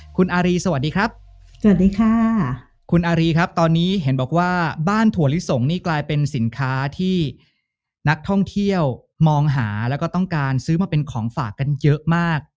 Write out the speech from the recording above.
คุณอารีสวัสดีครับสวัสดีค่ะคุณอารีครับตอนนี้เห็นบอกว่าบ้านถั่วลิสงนี่กลายเป็นสินค้าที่นักท่องเที่ยวมองหาแล้วก็ต้องการซื้อมาเป็นของฝากกันเยอะมาก